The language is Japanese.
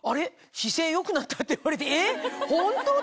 姿勢良くなった？」って言われて「えっホント？」と思って。